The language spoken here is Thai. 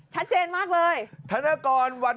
ชัดเจนมากเลย